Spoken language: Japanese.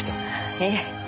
いえ。